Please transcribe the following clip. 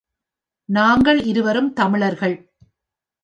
நாங்கள் இருவரும் தமிழர்கள்.